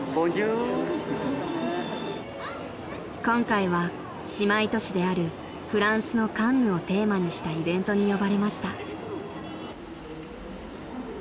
［今回は姉妹都市であるフランスのカンヌをテーマにしたイベントに呼ばれました］